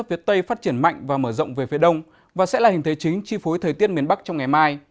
các hình thế chính chi phối thời tiết miền bắc trong ngày mai